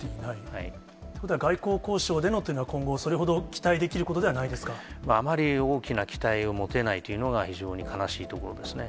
ということは、外交交渉でのということは、今後、それほど期待であまり大きな期待を持てないというのが、非常に悲しいところですね。